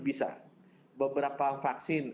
bisa beberapa vaksin